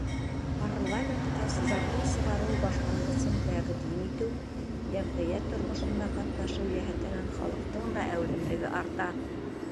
Парламентҡа закон сығарыу башланғысын тәҡдим итеү, йәмғиәт тормошонда ҡатнашыу йәһәтенән халыҡтың да әүҙемлеге арта.